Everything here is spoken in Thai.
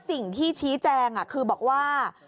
สิ่งที่ชี้แจงคือบอกว่า